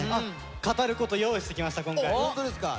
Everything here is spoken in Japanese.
語ること用意してきました今回。